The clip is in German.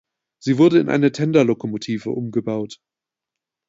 Sie wurde in eine Tenderlokomotive umgebaut.